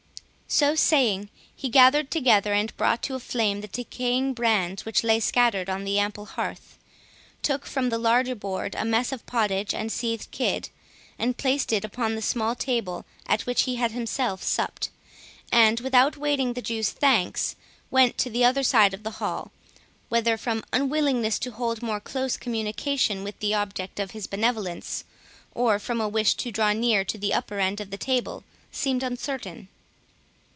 So saying, he gathered together, and brought to a flame, the decaying brands which lay scattered on the ample hearth; took from the larger board a mess of pottage and seethed kid, placed it upon the small table at which he had himself supped, and, without waiting the Jew's thanks, went to the other side of the hall;—whether from unwillingness to hold more close communication with the object of his benevolence, or from a wish to draw near to the upper end of the table, seemed uncertain.